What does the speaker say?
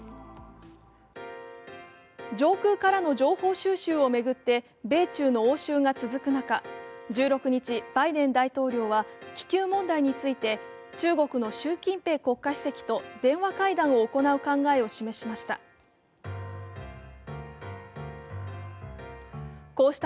上空からの情報収集を巡って米中の応酬が続く中１６日、バイデン大統領は気球問題について中国の習近平国家主席と電話会談を行う考えを示しました。